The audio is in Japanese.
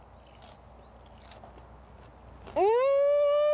うん！